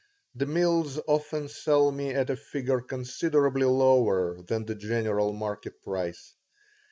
The mills often sell me at a figure considerably lower than the general market price.